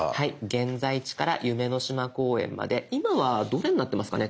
「現在地」から「夢の島公園」まで今はどれになってますかね